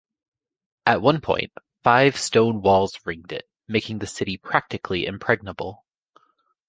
At one point, five stone walls ringed it, making the city practically impregnable.